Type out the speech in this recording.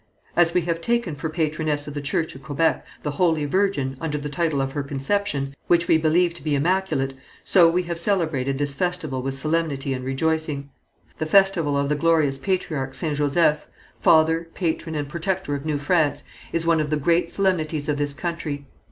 As we have taken for patroness of the Church of Kébec the Holy Virgin under the title of her Conception, which we believe to be immaculate, so we have celebrated this festival with solemnity and rejoicing. "The festival of the glorious Patriarch Saint Joseph, father, patron and protector of New France, is one of the great solemnities of this country....